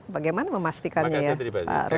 bagaimana memastikannya ya pak rohi din